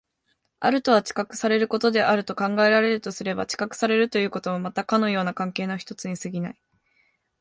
あるとは知覚されることであると考えられるとすれば、知覚されるということもまたかような関係の一つに過ぎない。